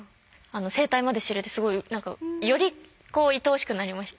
生態まで知れてすごい何かよりいとおしくなりました。